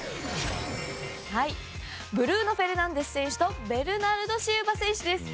ブルーノ・フェルナンデス選手とベルナルド・シウバ選手です。